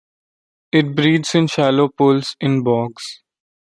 It breeds in shallow pools in bogs.